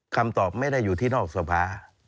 คำตอบไม่ได้อยู่ที่นอกสภา